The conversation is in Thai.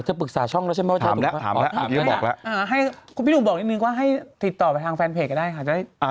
ถ้าปรึกษาช่องแล้วใช่ไหมถามแล้วติดต่อไปทางแฟนเพจก็ได้ค่ะ